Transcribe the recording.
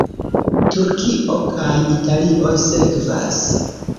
Turkio kaj Italio sekvas.